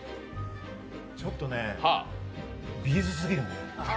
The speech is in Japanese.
ちょっとね、Ｂ’ｚすぎるね。